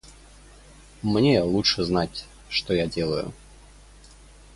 Мне лучше знать что я делаю.